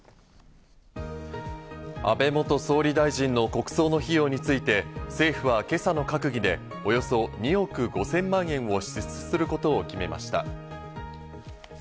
安倍元総理大臣の国葬の費用について、政府は今朝の閣議でおよそ２億５０００万円を支出することを決めました。